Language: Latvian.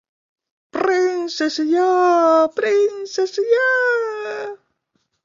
Princesi jā! Princesi jā!